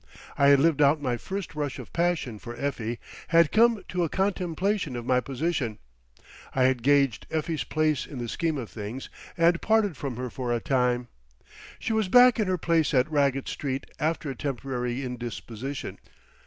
I had lived out my first rush of passion for Effie, had come to a contemplation of my position. I had gauged Effie's place in the scheme of things, and parted from her for a time. She was back in her place at Raggett Street after a temporary indisposition.